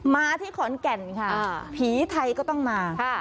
มาที่ขอนแก่นค่ะผีไทยก็ต้องมา